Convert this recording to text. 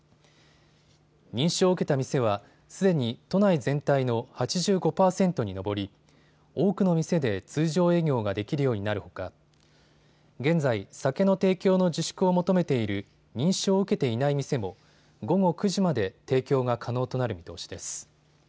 認証を受けた店はすでに都内全体の８５％に上り多くの店で通常営業ができるようになるほか、現在、酒の提供の自粛を求めている認証を受けていない店も午後９時まで提供が可能となる見通しです。